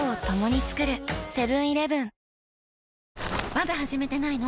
まだ始めてないの？